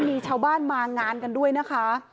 มีชาวบ้านมางานกันด้วยนะคะ